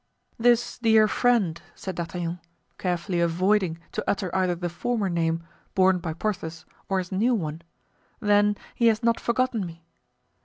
"This dear friend," said D'Artagnan, carefully avoiding to utter either the former name borne by Porthos or his new one, "then he has not forgotten me?"